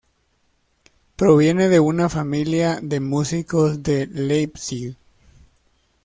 Proviene de una familia de músicos de Leipzig.